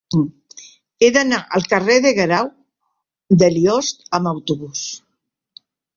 He d'anar al carrer de Guerau de Liost amb autobús.